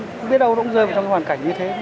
không biết đâu nó cũng rơi vào trong hoàn cảnh như thế